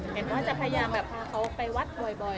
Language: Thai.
เหมือนว่าจะพยายามพาเขาไปวัดบ่อยทำบุญ